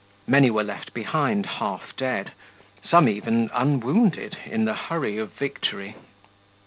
Many were left behind half dead, some even unwounded, in the hurry of victory.